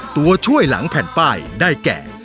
ตัวช่วยหลังแผ่นป้ายได้แก่